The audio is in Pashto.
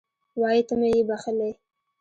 وایي ته مې یې بښلی